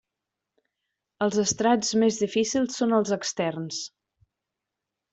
Els estrats més difícils són els externs.